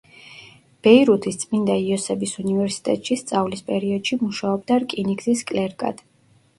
ბეირუთის წმინდა იოსების უნივერსიტეტში სწავლის პერიოდში მუშაობდა რკინიგზის კლერკად.